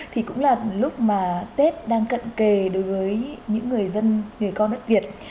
thì cũng là lúc mà tết đang cận kề đối với những người dân người con đất việt